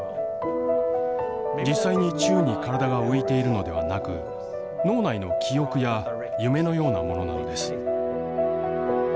実際に宙に体が浮いているのではなく脳内の記憶や夢のようなものなのです。